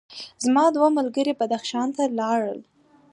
زما دوه ملګري بدخشان ته لاړل.